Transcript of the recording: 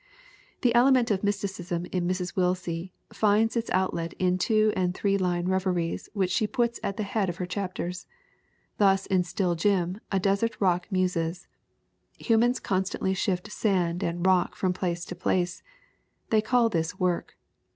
The element of mysticism in Mrs. Willsie finds its outlet in the two and three line reveries which she puts at the head of her chapters. Thus in Still Jim a desert rock muses : "Humans constantly shift sand and rock from place to place. They call this work.